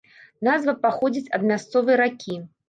Назва паходзіць ад мясцовай ракі.